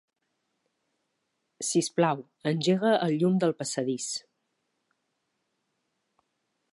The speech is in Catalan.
Sisplau, engega el llum del passadís.